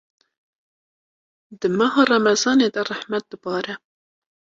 di meha Remezanê de rehmet dibare.